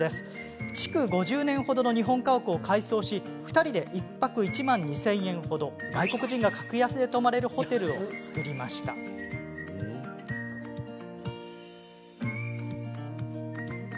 築５０年程の日本家屋を改装し２人で１泊１万２０００円程外国人が格安で泊まれるホテルを作ったんです。